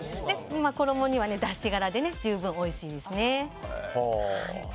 衣にはだし殻で十分おいしいですね。